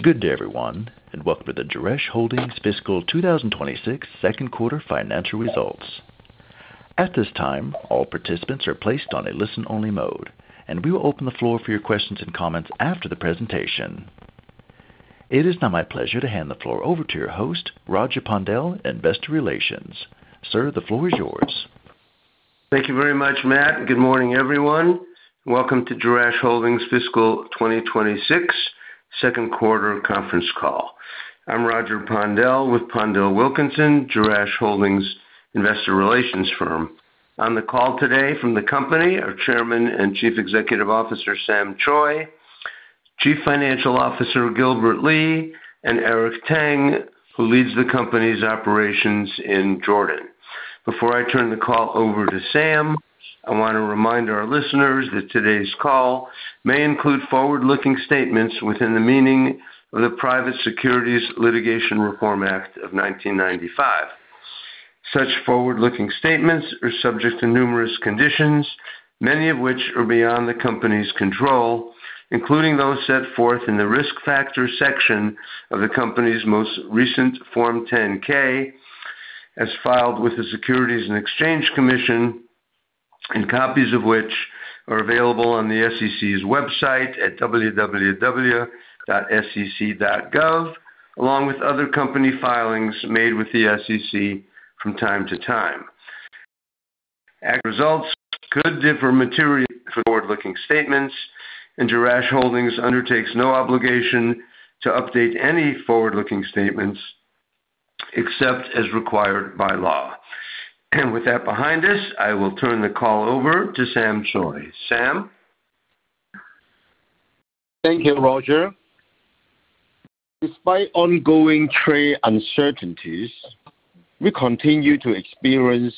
Good day, everyone, and welcome to the Jerash Holdings Fiscal 2026 second quarter financial results. At this time, all participants are placed on a listen-only mode, and we will open the floor for your questions and comments after the presentation. It is now my pleasure to hand the floor over to your host, Roger Pondel, Investor Relations. Sir, the floor is yours. Thank you very much, Matt. Good morning, everyone. Welcome to Jerash Holdings Fiscal 2026 Second Quarter Conference Call. I'm Roger Pondel with PondelWilkinson, Jerash Holdings Investor Relations Firm. On the call today from the company, our Chairman and Chief Executive Officer Sam Choi, Chief Financial Officer Gilbert Lee, and Eric Tang, who leads the company's operations in Jordan. Before I turn the call over to Sam, I want to remind our listeners that today's call may include forward-looking statements within the meaning of the Private Securities Litigation Reform Act of 1995. Such forward-looking statements are subject to numerous conditions, many of which are beyond the company's control, including those set forth in the risk factor section of the company's most recent Form 10-K, as filed with the Securities and Exchange Commission, and copies of which are available on the SEC's website at www.sec.gov, along with other company filings made with the SEC from time to time. Results could differ materially from forward-looking statements, and Jerash Holdings undertakes no obligation to update any forward-looking statements except as required by law. With that behind us, I will turn the call over to Sam Choi. Sam? Thank you, Roger. Despite ongoing trade uncertainties, we continue to experience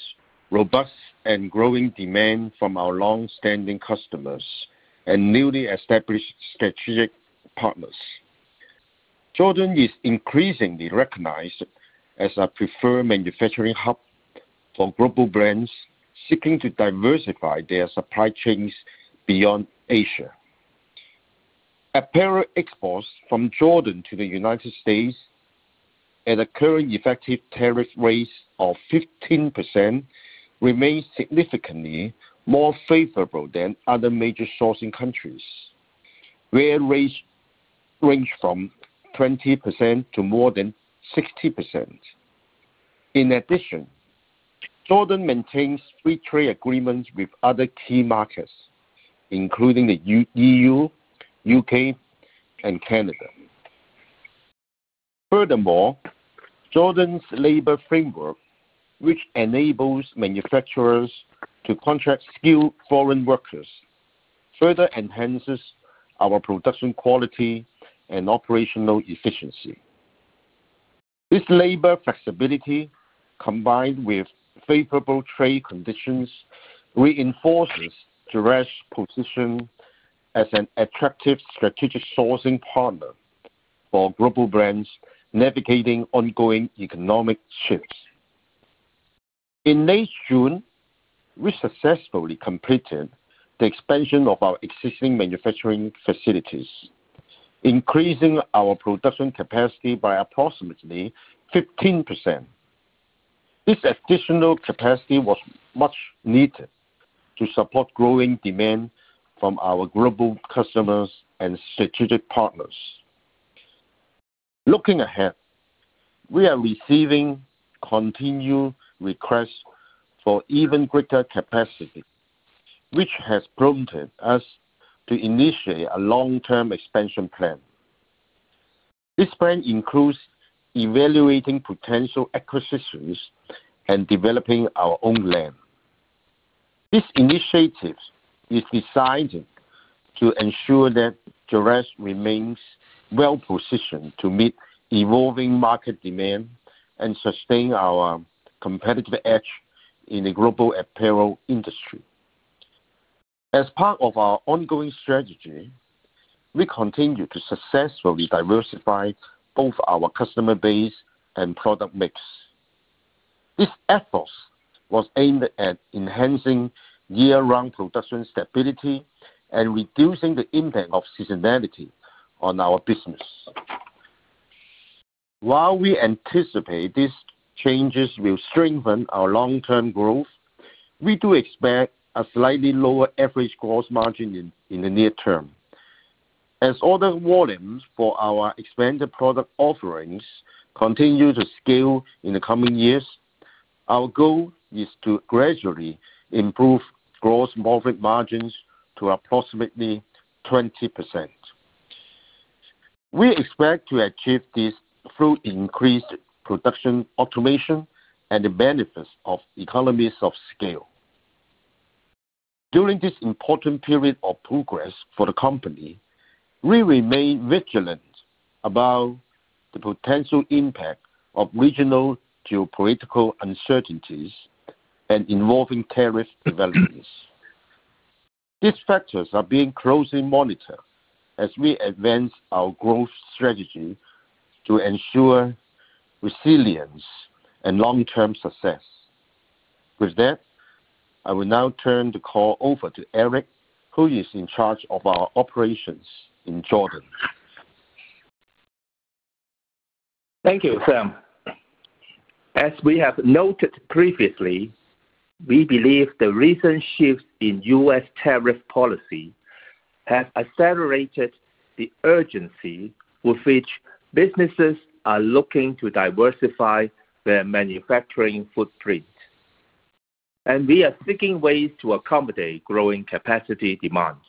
robust and growing demand from our long-standing customers and newly established strategic partners. Jordan is increasingly recognized as a preferred manufacturing hub for global brands seeking to diversify their supply chains beyond Asia. Apparel exports from Jordan to the United States, at a current effective tariff rate of 15%, remain significantly more favorable than other major sourcing countries, where rates range from 20% to more than 60%. In addition, Jordan maintains free trade agreements with other key markets, including the E.U., U.K., and Canada. Furthermore, Jordan's labor framework, which enables manufacturers to contract skilled foreign workers, further enhances our production quality and operational efficiency. This labor flexibility, combined with favorable trade conditions, reinforces Jerash's position as an attractive strategic sourcing partner for global brands navigating ongoing economic shifts. In late June, we successfully completed the expansion of our existing manufacturing facilities, increasing our production capacity by approximately 15%. This additional capacity was much needed to support growing demand from our global customers and strategic partners. Looking ahead, we are receiving continued requests for even greater capacity, which has prompted us to initiate a long-term expansion plan. This plan includes evaluating potential acquisitions and developing our own land. This initiative is designed to ensure that Jerash remains well-positioned to meet evolving market demand and sustain our competitive edge in the global apparel industry. As part of our ongoing strategy, we continue to successfully diversify both our customer base and product mix. This effort was aimed at enhancing year-round production stability and reducing the impact of seasonality on our business. While we anticipate these changes will strengthen our long-term growth, we do expect a slightly lower average gross margin in the near term. As order volumes for our expanded product offerings continue to scale in the coming years, our goal is to gradually improve gross margins to approximately 20%. We expect to achieve this through increased production automation and the benefits of economies of scale. During this important period of progress for the company, we remain vigilant about the potential impact of regional geopolitical uncertainties and evolving tariff regulations. These factors are being closely monitored as we advance our growth strategy to ensure resilience and long-term success. With that, I will now turn the call over to Eric, who is in charge of our operations in Jordan. Thank you, Sam. As we have noted previously, we believe the recent shift in U.S. tariff policy has accelerated the urgency with which businesses are looking to diversify their manufacturing footprint, and we are seeking ways to accommodate growing capacity demands.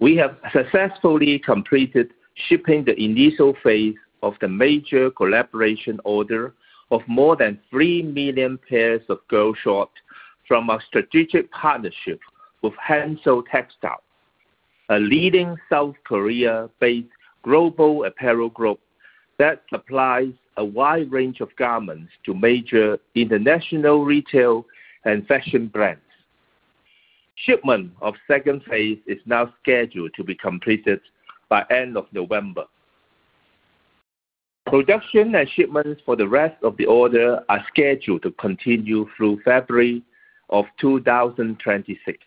We have successfully completed shipping the initial phase of the major collaboration order of more than three million pairs of girls' shorts from our strategic partnership with Hanso Textile, a leading South Korea-based global apparel group that supplies a wide range of garments to major international retail and fashion brands. Shipment of the second phase is now scheduled to be completed by the end of November. Production and shipments for the rest of the order are scheduled to continue through February of 2026.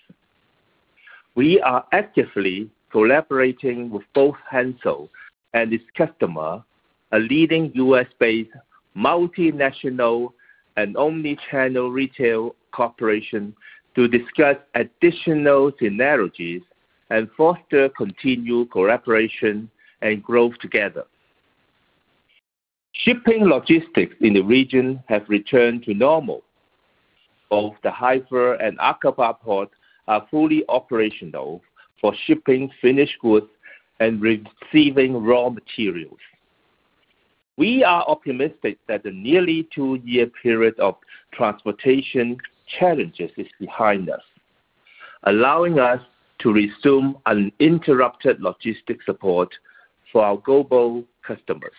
We are actively collaborating with both Hanso and its customer, a leading U.S.-based multinational and omnichannel retail corporation, to discuss additional scenarios and foster continued collaboration and growth together. Shipping logistics in the region have returned to normal, although the Haifa and Aqaba ports are fully operational for shipping finished goods and receiving raw materials. We are optimistic that the nearly two-year period of transportation challenges is behind us, allowing us to resume uninterrupted logistics support for our global customers.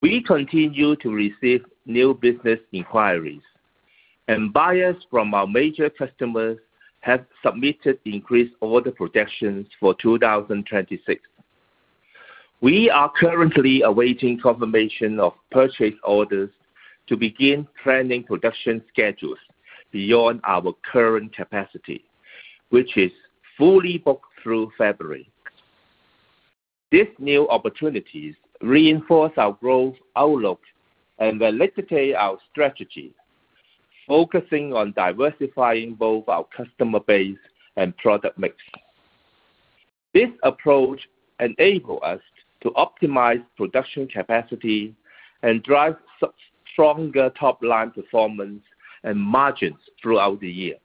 We continue to receive new business inquiries, and buyers from our major customers have submitted increased order protections for 2026. We are currently awaiting confirmation of purchase orders to begin planning production schedules beyond our current capacity, which is fully booked through February. These new opportunities reinforce our growth outlook and validate our strategy, focusing on diversifying both our customer base and product mix. This approach enables us to optimize production capacity and drive stronger top-line performance and margins throughout the year.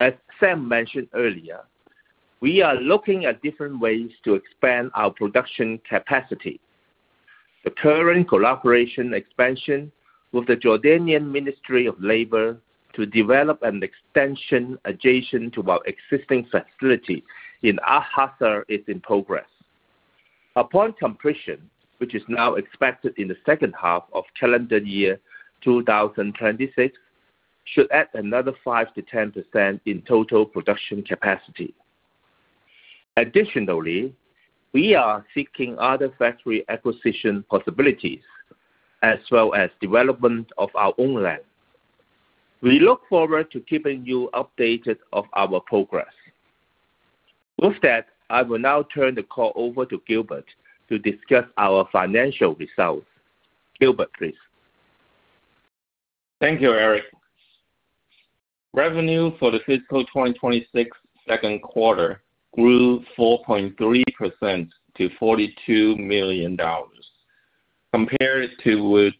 As Sam mentioned earlier, we are looking at different ways to expand our production capacity. The current collaboration expansion with the Jordanian Ministry of Labor to develop an extension adjacent to our existing facility in Al-Hazar is in progress. Upon completion, which is now expected in the second half of calendar year 2026, should add another 5-10% in total production capacity. Additionally, we are seeking other factory acquisition possibilities, as well as development of our own land. We look forward to keeping you updated on our progress. With that, I will now turn the call over to Gilbert to discuss our financial results. Gilbert, please. Thank you, Eric. Revenue for the fiscal 2026 second quarter grew 4.3% to $42 million, compared to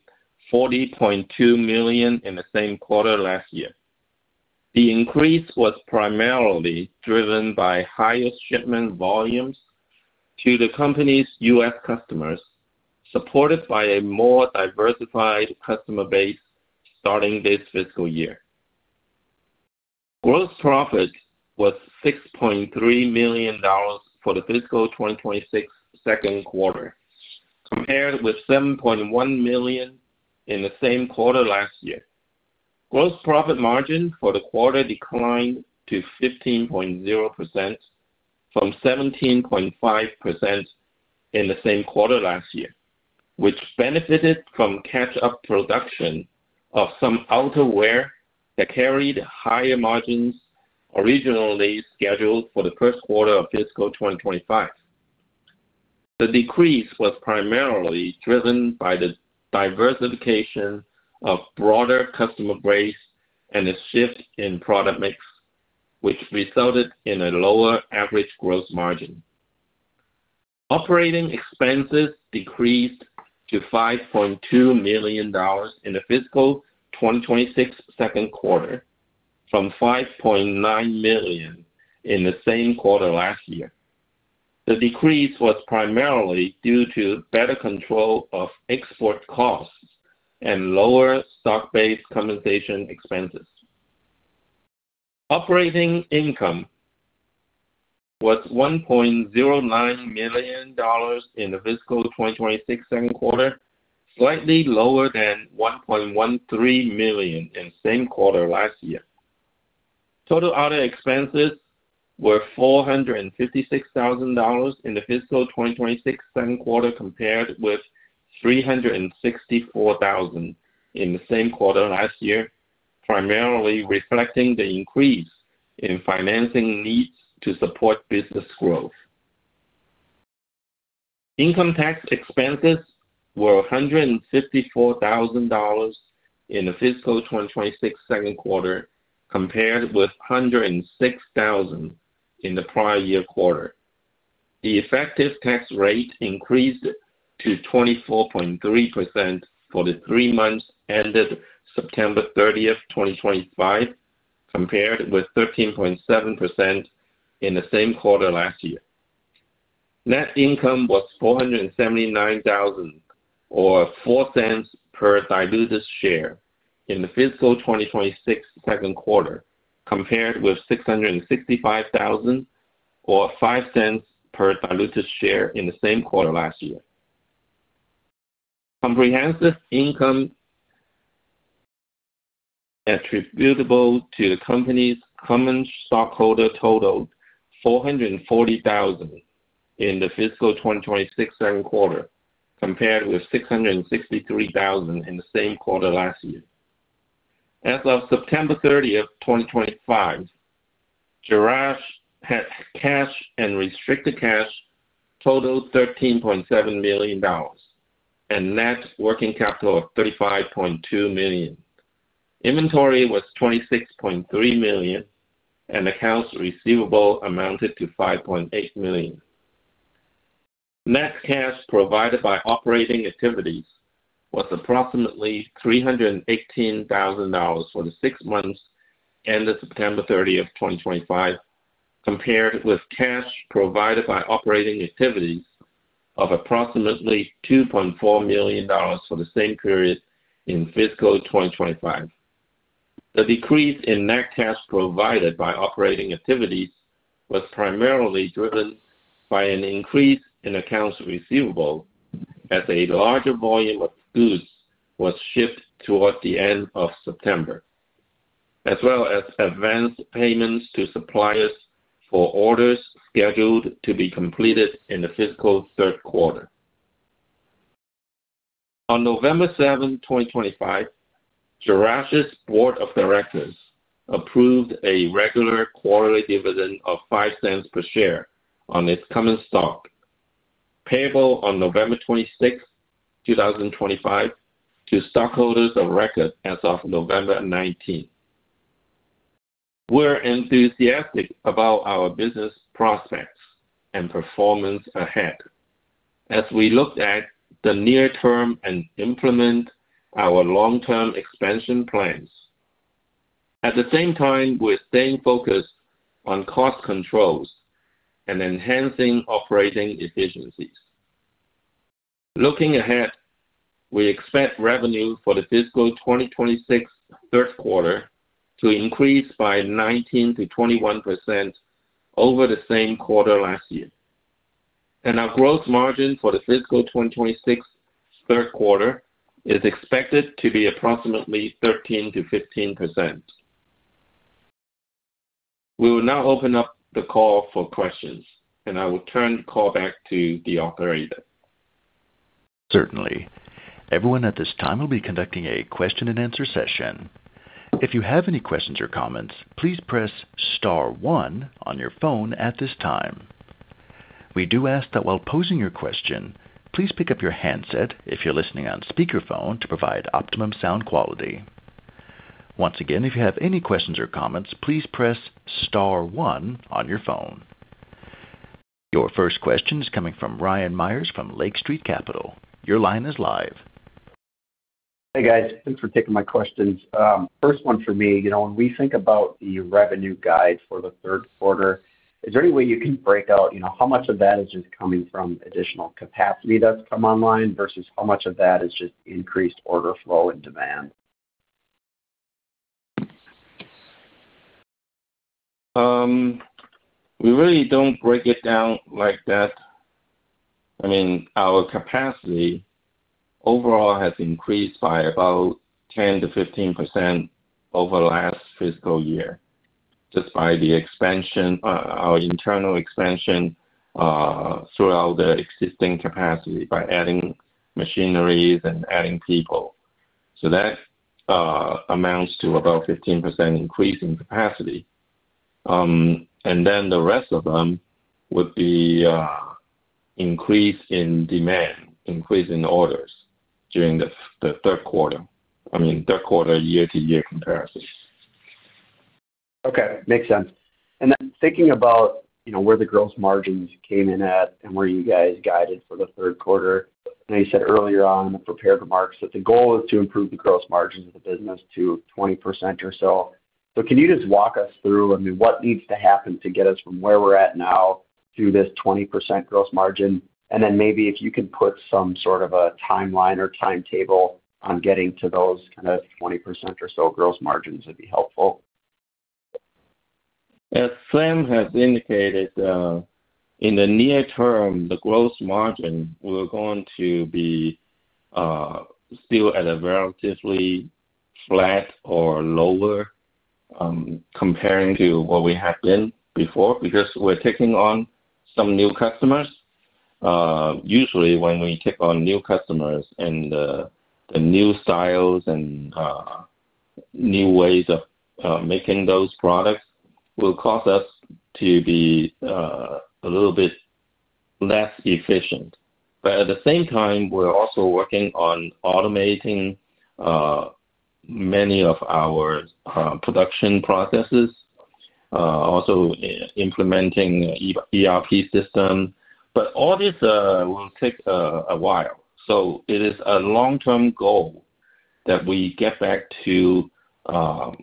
$40.2 million in the same quarter last year. The increase was primarily driven by higher shipment volumes to the company's U.S. customers, supported by a more diversified customer base starting this fiscal year. Gross profit was $6.3 million for the fiscal 2026 second quarter, compared with $7.1 million in the same quarter last year. Gross profit margin for the quarter declined to 15.0% from 17.5% in the same quarter last year, which benefited from catch-up production of some outerwear that carried higher margins originally scheduled for the first quarter of fiscal 2025. The decrease was primarily driven by the diversification to a broader customer base and a shift in product mix, which resulted in a lower average gross margin. Operating expenses decreased to $5.2 million in the fiscal 2026 second quarter, from $5.9 million in the same quarter last year. The decrease was primarily due to better control of export costs and lower stock-based compensation expenses. Operating income was $1.09 million in the fiscal 2026 second quarter, slightly lower than $1.13 million in the same quarter last year. Total other expenses were $456,000 in the fiscal 2026 second quarter, compared with $364,000 in the same quarter last year, primarily reflecting the increase in financing need to support business growth. Income tax expenses were $154,000 in the fiscal 2026 second quarter, compared with $106,000 in the prior year quarter. The effective tax rate increased to 24.3% for the three months ended September 30, 2025, compared with 13.7% in the same quarter last year. Net income was $479,000 or $0.04 per diluted share in the fiscal 2026 second quarter, compared with $665,000 or $0.05 per diluted share in the same quarter last year. Comprehensive income attributable to the company's common stockholder totaled $440,000 in the fiscal 2026 second quarter, compared with $663,000 in the same quarter last year. As of September 30, 2025, Jerash had cash and restricted cash totaled $13.7 million and net working capital of $35.2 million. Inventory was $26.3 million, and accounts receivable amounted to $5.8 million. Net cash provided by operating activities was approximately $318,000 for the six months ended September 30, 2025, compared with cash provided by operating activities of approximately $2.4 million for the same period in fiscal 2025. The decrease in net cash provided by operating activities was primarily driven by an increase in accounts receivable as a larger volume of goods was shipped toward the end of September, as well as advance payments to suppliers for orders scheduled to be completed in the fiscal third quarter. On November 7, 2025, Jerash's board of directors approved a regular quarterly dividend of $0.05 per share on its common stock, payable on November 26, 2025, to stockholders of record as of November 19. We're enthusiastic about our business prospects and performance ahead as we look at the near term and implement our long-term expansion plans. At the same time, we're staying focused on cost controls and enhancing operating efficiencies. Looking ahead, we expect revenue for the fiscal 2026 third quarter to increase by 19%-21% over the same quarter last year, and our gross margin for the fiscal 2026 third quarter is expected to be approximately 13%-15%. We will now open up the call for questions, and I will turn the call back to the operator. Certainly. Everyone at this time will be conducting a question-and-answer session. If you have any questions or comments, please press star one on your phone at this time. We do ask that while posing your question, please pick up your handset if you're listening on speakerphone to provide optimum sound quality. Once again, if you have any questions or comments, please press star one on your phone. Your first question is coming from Ryan Meyers from Lake Street Capital. Your line is live. Hey, guys. Thanks for taking my questions. First one for me, you know, when we think about the revenue guide for the third quarter, is there any way you can break out, you know, how much of that is just coming from additional capacity that's come online versus how much of that is just increased order flow and demand? We really don't break it down like that. I mean, our capacity overall has increased by about 10%-15% over the last fiscal year just by the expansion, our internal expansion throughout the existing capacity by adding machineries and adding people. So that amounts to about 15% increase in capacity. And then the rest of them would be increase in demand, increase in orders during the third quarter. I mean, third quarter year-to-year comparisons. Okay. Makes sense. And thinking about, you know, where the gross margins came in at and where you guys guided for the third quarter, I know you said earlier on, we'll prepare the marks, that the goal is to improve the gross margins of the business to 20% or so. So can you just walk us through, I mean, what needs to happen to get us from where we're at now to this 20% gross margin? And then maybe if you can put some sort of a timeline or timetable on getting to those kind of 20% or so gross margins would be helpful. As Sam has indicated, in the near term, the gross margin we're going to be still at a relatively flat or lower comparing to what we had been before because we're taking on some new customers. Usually, when we take on new customers and the new styles and new ways of making those products will cause us to be a little bit less efficient. But at the same time, we're also working on automating many of our production processes, also implementing an ERP system. But all this will take a while. So it is a long-term goal that we get back to about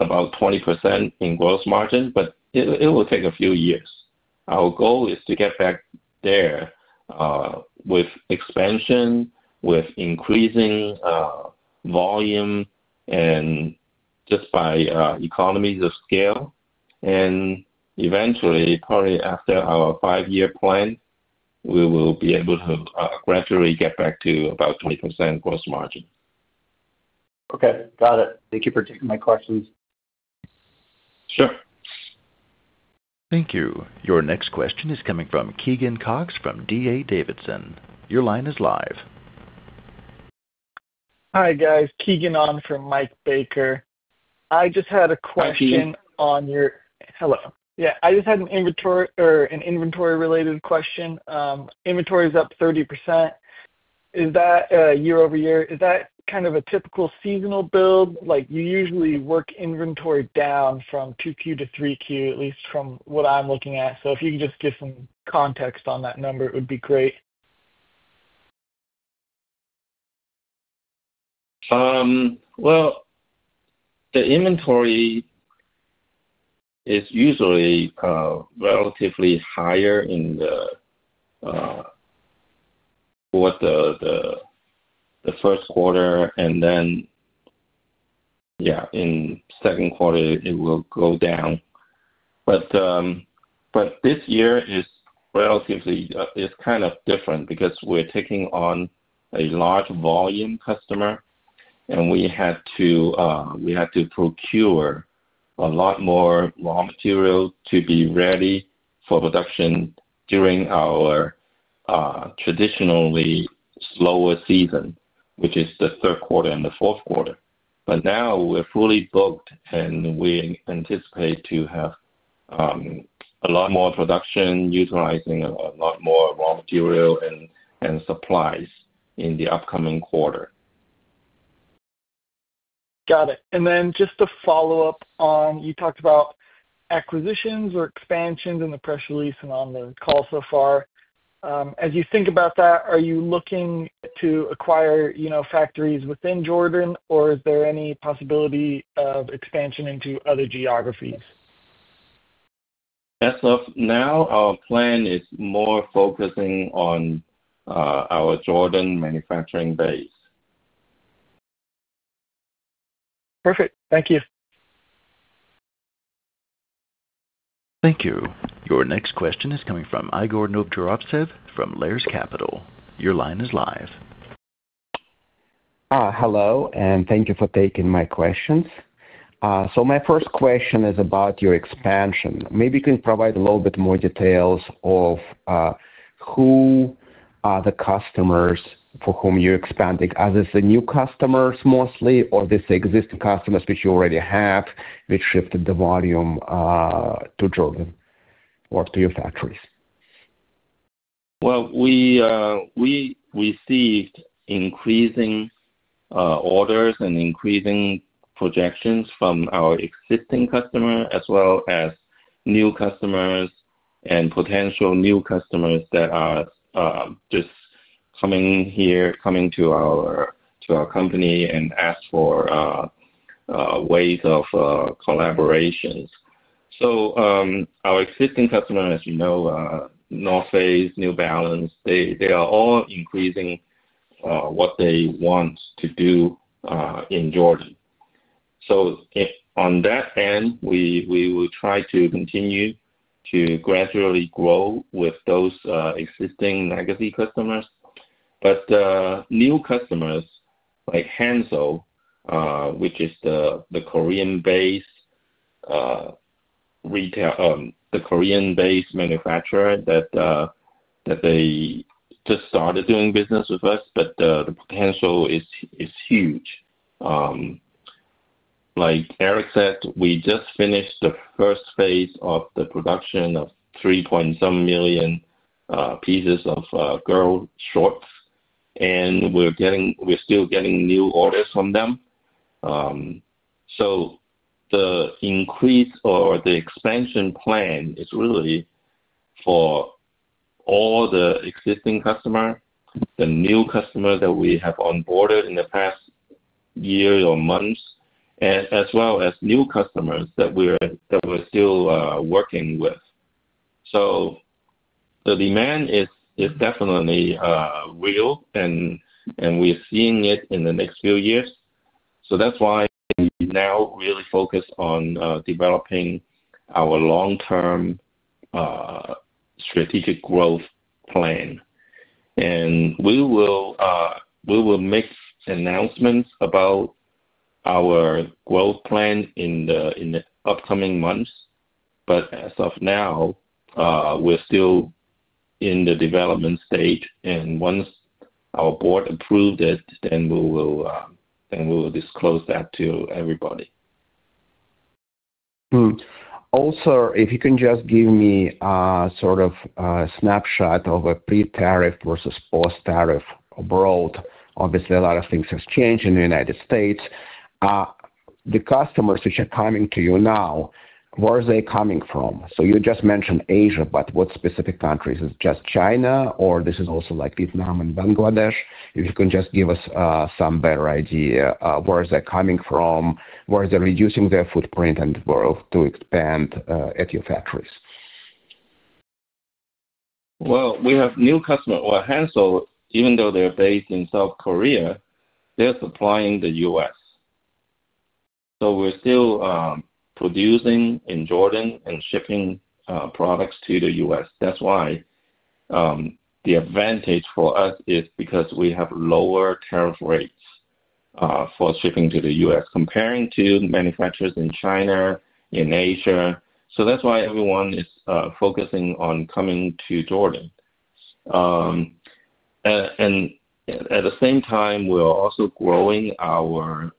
20% in gross margin, but it will take a few years. Our goal is to get back there with expansion, with increasing volume and just by economies of scale. And eventually, probably after our five-year plan, we will be able to gradually get back to about 20% gross margin. Okay. Got it. Thank you for taking my questions. Sure. Thank you. Your next question is coming from Keegan Cox from D.A. Davidson. Your line is live. Hi, guys. Keegan on from Mike Baker. I just had a question on your. My team. Hello. Yeah. I just had an inventory or an inventory-related question. Inventory is up 30%. Is that year over year? Is that kind of a typical seasonal build? Like, you usually work inventory down from 2Q to 3Q, at least from what I'm looking at. So if you can just give some context on that number, it would be great. Well, the inventory is usually relatively higher in the first quarter, and then, yeah, in second quarter, it will go down. But this year is relatively, it's kind of different because we're taking on a large volume customer, and we had to procure a lot more raw material to be ready for production during our traditionally slower season, which is the third quarter and the fourth quarter. But now we're fully booked, and we anticipate to have a lot more production utilizing a lot more raw material and supplies in the upcoming quarter. Got it. And then just to follow up on, you talked about acquisitions or expansions in the press release and on the call so far. As you think about that, are you looking to acquire, you know, factories within Jordan, or is there any possibility of expansion into other geographies? As of now, our plan is more focusing on our Jordan manufacturing base. Perfect. Thank you. Thank you. Your next question is coming from Igor Novgorodtsev from Lares Capital. Your line is live. Hello, and thank you for taking my questions. So my first question is about your expansion. Maybe you can provide a little bit more details of who are the customers for whom you're expanding? Are these the new customers mostly, or these existing customers which you already have which shifted the volume to Jordan or to your factories? Well, we received increasing orders and increasing projections from our existing customers, as well as new customers and potential new customers that are just coming here, coming to our company and ask for ways of collaborations. So our existing customers, as you know, North Face, New Balance, they are all increasing what they want to do in Jordan. So on that end, we will try to continue to gradually grow with those existing legacy customers. But new customers like Hanso, which is the Korean-based retail, the Korean-based manufacturer that they just started doing business with us, but the potential is huge. Like Eric said, we just finished the first phase of the production of 3.7 million pieces of girl shorts, and we're still getting new orders from them. So the increase or the expansion plan is really for all the existing customers, the new customers that we have onboarded in the past year or months, as well as new customers that we're still working with. So the demand is definitely real, and we've seen it in the next few years. So that's why we now really focus on developing our long-term strategic growth plan. And we will make announcements about our growth plan in the upcoming months. But as of now, we're still in the development state. And once our board approves it, then we will disclose that to everybody. Also, if you can just give me a sort of snapshot of a pre-tariff versus post-tariff world. Obviously, a lot of things have changed in the United States. The customers which are coming to you now, where are they coming from? So you just mentioned Asia, but what specific countries? Is it just China, or this is also like Vietnam and Bangladesh? If you can just give us some better idea, where are they coming from? Where are they reducing their footprint and growth to expand at your factories? Well, we have new customers. Well, Hanso, even though they're based in South Korea, they're supplying the US. So we're still producing in Jordan and shipping products to the U.S. That's why the advantage for us is because we have lower tariff rates for shipping to the US comparing to manufacturers in China, in Asia. So that's why everyone is focusing on coming to Jordan. And at the same time, we're also growing our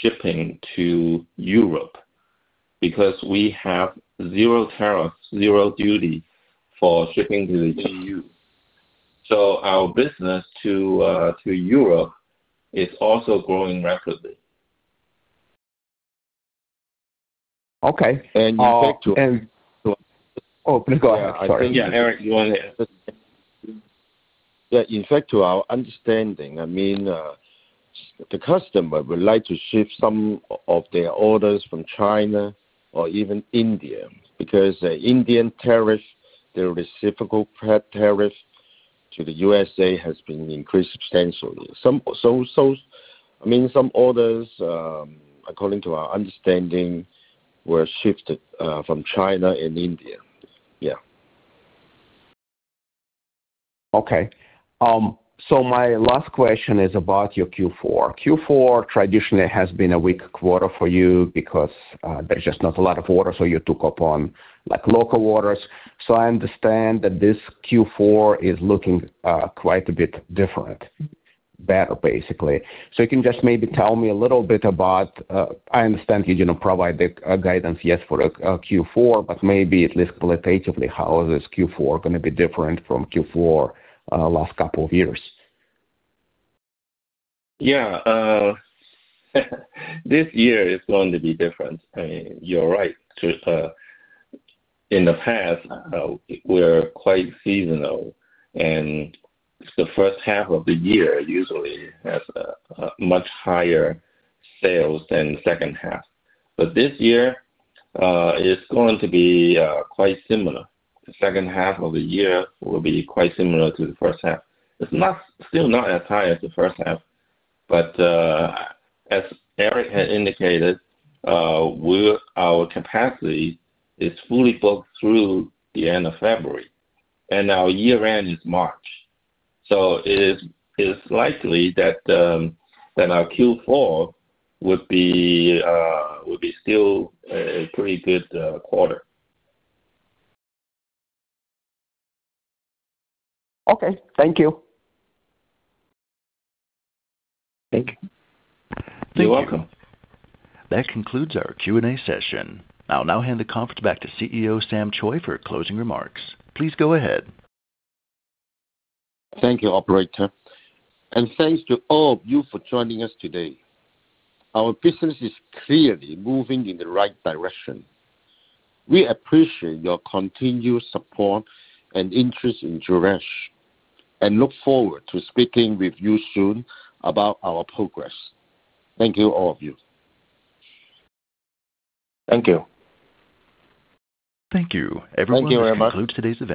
shipping to Europe because we have zero tariff, zero duty for shipping to the E.U. So our business to Europe is also growing rapidly. Okay. And you think to. Oh, please go ahead. Yeah, sorry. Yeah, Eric, go ahead. Yeah, in fact, to our understanding, I mean, the customer would like to shift some of their orders from China or even India because the Indian tariff, the reciprocal tariff to the U.S.A has been increased substantially. I mean, some orders, according to our understanding, were shifted from China and India. Yeah. Okay. So my last question is about your Q4. Q4 traditionally has been a weak quarter for you because there's just not a lot of orders, so you took up on local orders. So I understand that this Q4 is looking quite a bit different, better, basically. So you can just maybe tell me a little bit about, I understand you didn't provide the guidance yet for Q4, but maybe at least qualitatively, how is this Q4 going to be different from Q4 last couple of years? Yeah. This year is going to be different. I mean, you're right. In the past, we're quite seasonal, and the first half of the year usually has a much higher sales than the second half. But this year, it's going to be quite similar. The second half of the year will be quite similar to the first half. It's still not as high as the first half, but as Eric had indicated, our capacity is fully booked through the end of February, and our year-end is March. So it is likely that our Q4 would be still a pretty good quarter. Okay. Thank you. Thank you. You're welcome. That concludes our Q&A session. I'll now hand the conference back to CEO Sam Choi for closing remarks. Please go ahead. Thank you, Operator. And thanks to all of you for joining us today. Our business is clearly moving in the right direction. We appreciate your continued support and interest in Jerash and look forward to speaking with you soon about our progress. Thank you, all of you. Thank you. Thank you. Everybody, we conclude today's session.